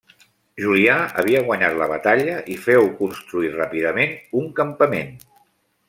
Julià havia guanyat la batalla i féu construir ràpidament un campament.